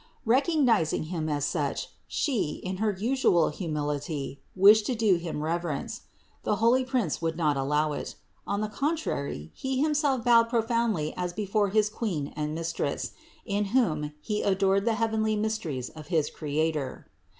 Recognizing him as such, She, in her usual humility, wished to do him reverence; the holy prince would not allow it; on the contrary he himself bowed profoundly as before his Queen and Mistress, in whom. he adored the heavenly mysteries of his Creator.